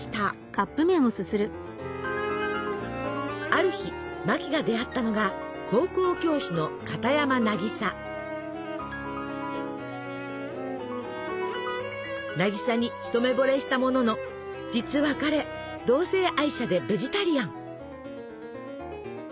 ある日マキが出会ったのが渚に一目ぼれしたものの実は彼同性愛者でベジタリアン。